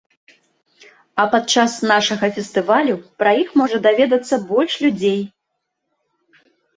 А падчас нашага фестывалю пра іх можа даведацца больш людзей.